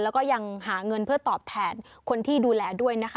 แล้วก็ยังหาเงินเพื่อตอบแทนคนที่ดูแลด้วยนะคะ